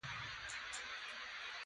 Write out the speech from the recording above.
نن د بر کلي لیونی بیا غوصه و.